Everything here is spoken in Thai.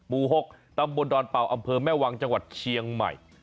หมู่๖ตำบลดอนเป่าอำเภอแม่วังจังหวัดเชียงใหม่